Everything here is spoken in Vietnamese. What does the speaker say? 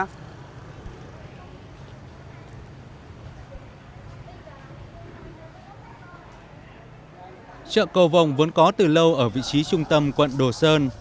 chợ cầu vòng vốn có từ lâu ở vị trí trung tâm quận đồ sơn